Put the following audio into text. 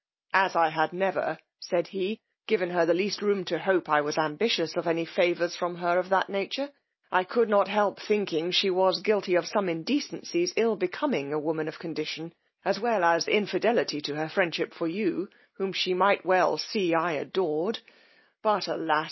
As I had never, said he, given her the least room to hope I was ambitious of any favours from her of that nature, I could not help thinking she was guilty of some indecencies ill becoming a woman of condition, as well as infidelity to her friendship for you, whom she might well see I adored: but alas!